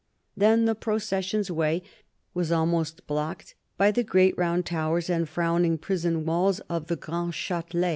Then the procession's way was almost blocked by the great round towers and frowning prison walls of the Grand Chatelet.